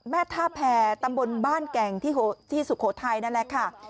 ท่าแพรตำบลบ้านแก่งที่สุโขทัยนั่นแหละค่ะ